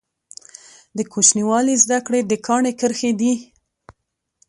د کوچنیوالي زده کړي د کاڼي کرښي دي.